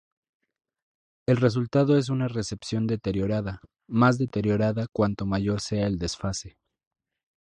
El resultado es una recepción deteriorada, más deteriorada cuanto mayor sea el desfase.